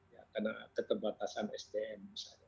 karena keterbatasan sdm misalnya